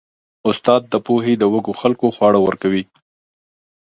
استاد د پوهې د وږو خلکو خواړه ورکوي.